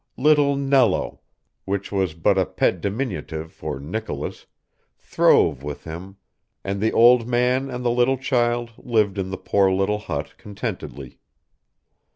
Little Nello which was but a pet diminutive for Nicolas throve with him, and the old man and the little child lived in the poor little hut contentedly.